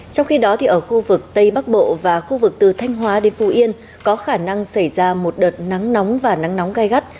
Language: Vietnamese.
trong khi đó ở khu vực tây bắc bộ và khu vực từ thanh hóa đến phù yên có khả năng xảy ra một đợt nắng nóng và nắng nóng gai gắt